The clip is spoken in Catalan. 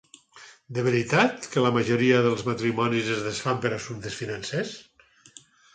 De veritat que la majoria de matrimonis es desfan per assumptes financers?